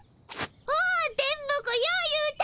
おう電ボ子よう言うた。